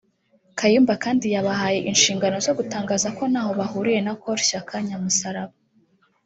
Kayumba kandi yabahaye inshingano zo gutangaza ko ntaho bahuriye na Col Shyaka Nyamusaraba